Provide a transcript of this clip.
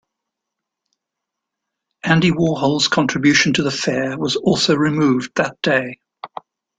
Andy Warhol's contribution to the fair was also removed that day.